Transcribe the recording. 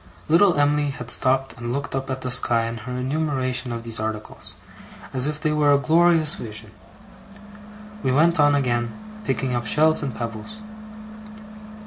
Little Em'ly had stopped and looked up at the sky in her enumeration of these articles, as if they were a glorious vision. We went on again, picking up shells and pebbles.